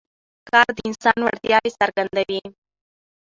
کار د انسان وړتیاوې څرګندوي